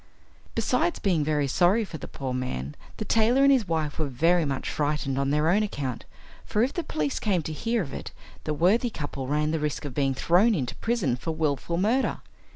Besides being very sorry for the poor man, the tailor and his wife were very much frightened on their own account, for if the police came to hear of it the worthy couple ran the risk of being thrown into prison for wilful murder.